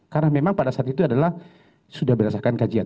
karena memang pada saat itu adalah sudah berdasarkan kajian